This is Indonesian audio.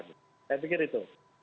saya pikir itu